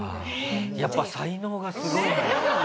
やっぱ才能がすごいんだ。